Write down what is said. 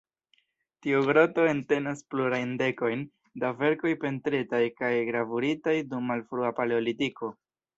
Tiu groto entenas plurajn dekojn da verkoj pentritaj kaj gravuritaj dum malfrua Paleolitiko.